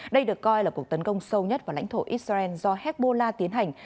đây được coi là cuộc tấn công sâu nhất vào lãnh thổ israel do hezbollah tiến hành